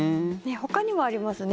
ほかにもありますね。